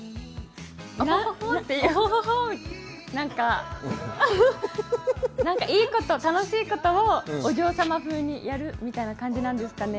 オホホホなんか、楽しいことをお嬢様風にやるみたいな感じですかね。